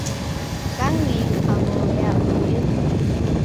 Ka ŋyi aghɔ̀ɔ̀ yâ, òo yə̂.